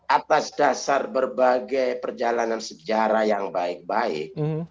atas dasar berbagai perjalanan sejarah yang baik baik